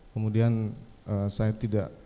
kemudian saya tidak